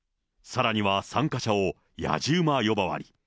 さらには参加者をやじ馬呼ばわり。